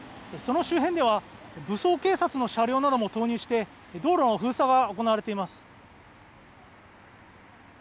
その周辺では武装警察の車両なども投入して、道路の封鎖が行われています。